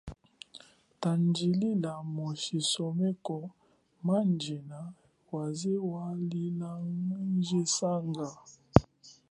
Tangilila mu chisoneko majina waze walilongesanga.